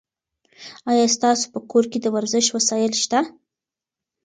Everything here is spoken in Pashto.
ایا ستاسو په کور کې د ورزش وسایل شته؟